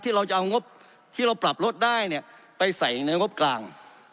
เราจะเอางบที่เราปรับลดได้เนี่ยไปใส่ในงบกลาง